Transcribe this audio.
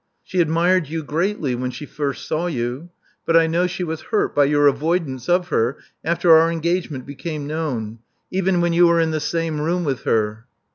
She admired you greatly when she first saw you ; but I know she was hurt by your avoidance of her after our engagement became known, even when you were in the same room with her."